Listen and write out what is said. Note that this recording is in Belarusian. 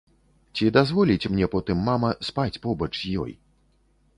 Ці дазволіць мне потым мама спаць побач з ёй?